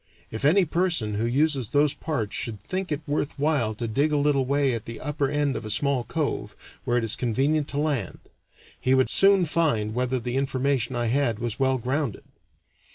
If any person who uses those parts should think it worth while to dig a little way at the upper end of a small cove, where it is convenient to land, he would soon find whether the information I had was well grounded.